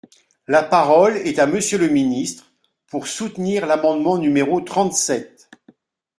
La parole est à Monsieur le ministre, pour soutenir l’amendement numéro trente-sept.